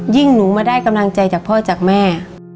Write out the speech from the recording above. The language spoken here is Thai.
หนูมาได้กำลังใจจากพ่อจากแม่